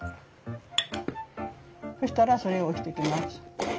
そしたらそれを押してきます。